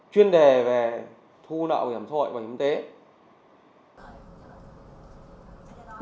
chuyên đề về thu nợ bảo hiểm xã hội và hiểm tế